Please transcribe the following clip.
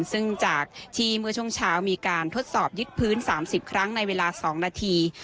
ซึ่งจากที่เมื่อช่วงเช้ามีการทดสอบยึดพื้น๓๐ครั้งในเวลา๒นาที